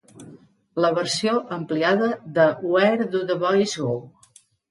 La versió ampliada de Where Do the Boys Go?